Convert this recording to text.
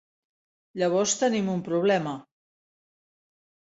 Llavors tenim un problema.